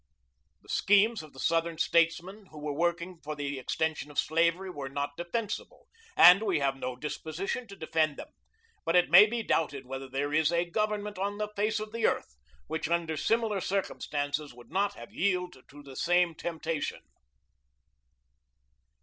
The schemes of the Southern statesmen who were working for the extension of slavery were not defensible, and we have no disposition to defend them; but it may be doubted whether there is a government on the face of the earth which, under similar circumstances, would not have yielded to the same temptation.